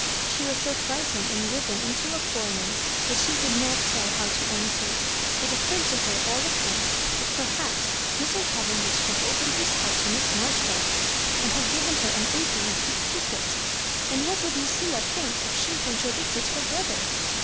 She was so frightened and driven into a comer that she could not tell how to an swer. It occurred to her all at once that per haps Mr. Cavendish had opened his heart to Miss Marjoribanks, and had given her an inkling of his secret; and what woiUd LucUla think if she contradicted her brother?